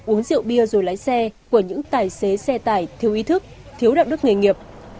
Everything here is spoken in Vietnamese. uống rượu bia rồi lái xe của những tài xế xe tải thiếu ý thức thiếu đạo đức nghề nghiệp